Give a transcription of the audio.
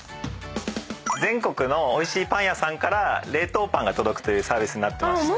全国のおいしいパン屋さんから冷凍パンが届くというサービスになってまして。